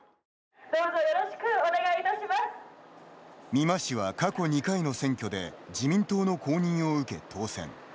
美馬氏は過去２回の選挙で自民党の公認を受け当選。